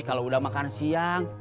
kalo udah makan siang